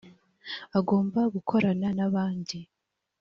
agomba gukorana n’abandi